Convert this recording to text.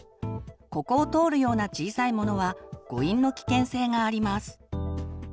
ここを通るような小さいものは誤飲の危険性があります。